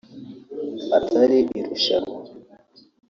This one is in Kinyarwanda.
atari irushanwa